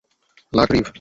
লাগ, রীড।